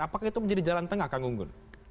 apakah itu menjadi jalan tengah kang gunggun